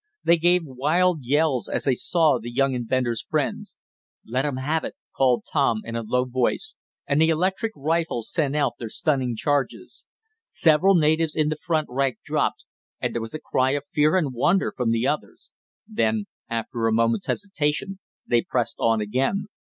They gave wild yells as they saw the young inventor's friends. "Let 'em have it!" called Tom in a low voice, and the electric rifles sent out their stunning charges. Several natives in the front rank dropped, and there was a cry of fear and wonder from the others. Then, after a moment's hesitation they pressed on again.